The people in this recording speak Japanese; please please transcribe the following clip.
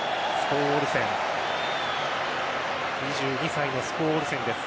２２歳のスコウオルセンです。